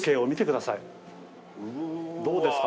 どうですか？